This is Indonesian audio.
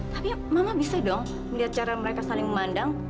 tapi mama bisa dong melihat cara mereka saling memandang